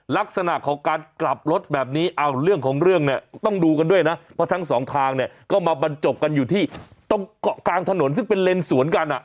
ลักษณะของการกลับรถแบบนี้เอาเรื่องของเรื่องเนี่ยต้องดูกันด้วยนะเพราะทั้งสองทางเนี่ยก็มาบรรจบกันอยู่ที่ตรงเกาะกลางถนนซึ่งเป็นเลนสวนกันอ่ะ